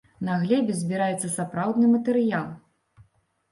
На глебе збіраецца сапраўдны матэрыял.